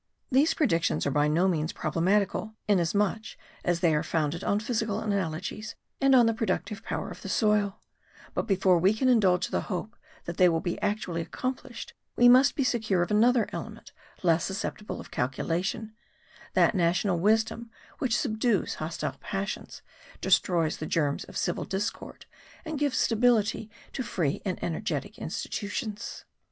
These predictions are by no means problematical, inasmuch as they are founded on physical analogies and on the productive power of the soil; but before we can indulge the hope that they will be actually accomplished, we must be secure of another element less susceptible of calculation that national wisdom which subdues hostile passions, destroys the germs of civil discord and gives stability to free and energetic institutions.